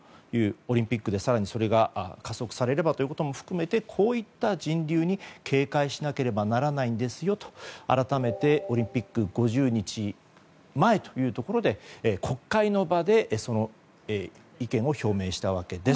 オリンピックで、更にそれが加速されればということも含めてこういった人流に警戒しなければならないんですよと改めてオリンピック５０日前というところで国会の場でその意見を表明したわけです。